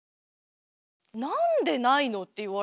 なんでないのって言われてもねぇ。